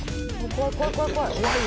怖い怖い怖い怖い！